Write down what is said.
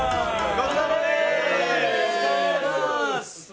ごちそうさまです！